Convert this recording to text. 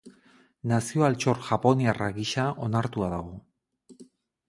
Nazio-Altxor Japoniarra gisa onartua dago.